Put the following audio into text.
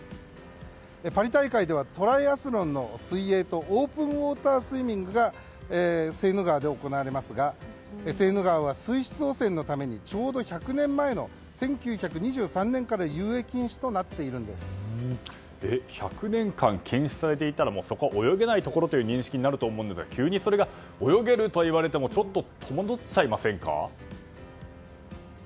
パリ大会ではトライアスロンの水泳とオープンウォータースイミングがセーヌ川で行われますがセーヌ川は水質汚染のためにちょうど１００年前の１９２３年から１００年間禁止されていたらそこは泳げないところという認識になると思うので急にそれが泳げると言われてもちょっと戸惑いませんか。